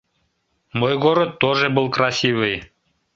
Мой город тоже был красивый.